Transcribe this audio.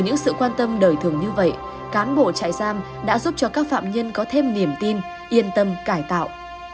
với những sự quan tâm đời thường như vậy cán bộ trại giam đã giúp cho các phạm nhân có thêm niềm tin yên tâm cải tạo